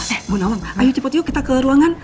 eh bu nawang ayo cepat yuk kita ke ruangan